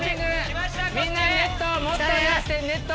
みんなネット！